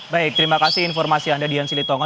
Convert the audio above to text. baik terima kasih informasi anda dian silitongo